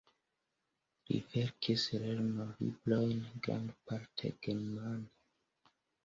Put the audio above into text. Li verkis lernolibrojn grandparte germane.